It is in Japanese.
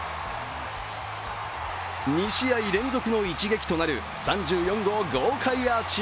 ２試合連続の一撃となる３４号豪快アーチ。